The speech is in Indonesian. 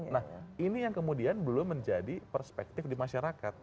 nah ini yang kemudian belum menjadi perspektif di masyarakat